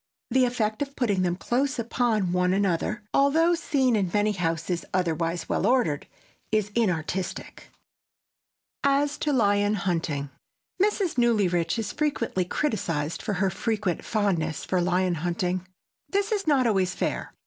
The effect of putting them close upon one another, though seen in many houses otherwise well ordered, is inartistic. [Sidenote: AS TO LION HUNTING] Mrs. Newlyrich is frequently criticized for her frequent fondness for lion hunting. This is not always fair.